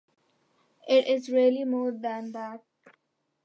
It's really more than that.